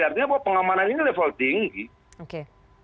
artinya bahwa pengamanan ini level tinggi